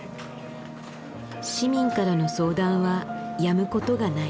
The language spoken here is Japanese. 市民からの相談はやむことがない。